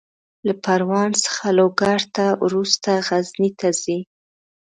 له پروان څخه لوګر ته، وروسته غزني ته ځي.